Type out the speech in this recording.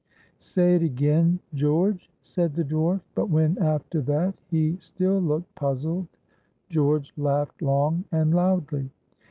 "Say it again, George," said the dwarf. But when, after that, he still looked puzzled, George laughed long and loudly.